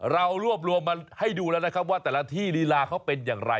เรารวบรวมมาให้ดูแล้วนะครับว่าแต่ละที่ลีลาเขาเป็นอย่างไร